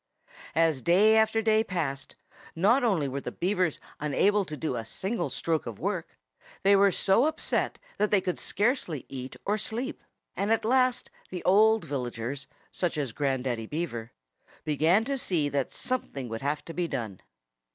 As day after day passed, not only were the Beavers unable to do a single stroke of work; they were so upset that they could scarcely eat or sleep. And at last the older villagers, such as Grandaddy Beaver, began to see that something would have to be done.